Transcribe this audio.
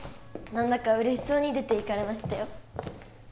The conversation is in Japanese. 何だか嬉しそうに出ていかれましたよ